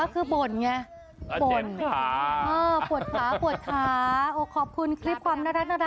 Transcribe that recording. เป็นดำนา